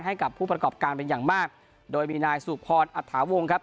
ให้กับผู้ประกอบการเป็นอย่างมากโดยมีนายสุพรอัฐาวงครับ